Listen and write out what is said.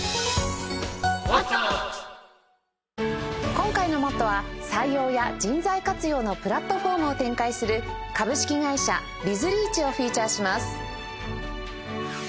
今回の『ＭＯＴＴＯ！！』は採用や人財活用のプラットフォームを展開する株式会社ビズリーチをフィーチャーします。